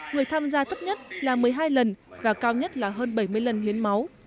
người tham gia thấp nhất là một mươi hai lần và cao nhất là hơn bảy mươi lần hiến máu